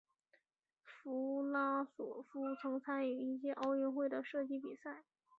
弗拉索夫曾参与一届奥运会的射击比赛。